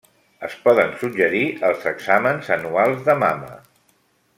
Es poden suggerir els exàmens anuals de mama.